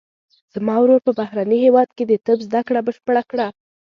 زما ورور په بهرني هیواد کې د طب زده کړه بشپړه کړه